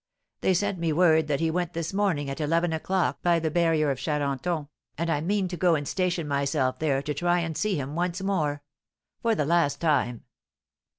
They sent me word that he went this morning at eleven o'clock by the barrier of Charenton, and I mean to go and station myself there to try and see him once more, for the last time!"